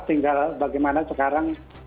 tinggal bagaimana sekarang